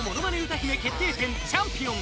歌姫決定戦チャンピオン